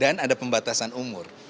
dan ada pembatasan umur